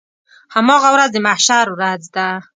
هماغه ورځ د محشر ورځ ده.